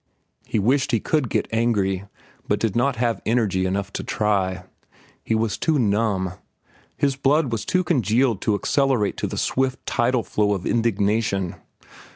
He wished he could get angry, but did not have energy enough to try. He was too numb. His blood was too congealed to accelerate to the swift tidal flow of indignation.